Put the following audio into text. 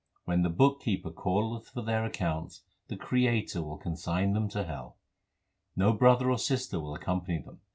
When the Book keeper 1 calleth for their accounts, the Creator will consign them to hell. No brother or sister will accompany them.